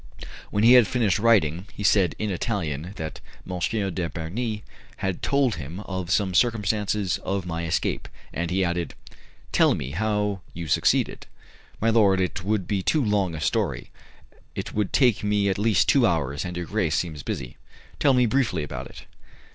When he had finished writing he said in Italian that M. de Bernis had told him of some circumstances of my escape, and he added, "Tell me how you succeeded." "My lord, it would be too long a story; it would take me at least two hours, and your grace seems busy." "Tell me briefly about it."